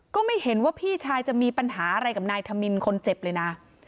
ก็ไม่เห็นว่าพี่ชายจะมีปัญหาอะไรกับนายธมินคนเจ็บเลยนะ